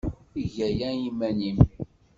Eg aya i yiman-nnem.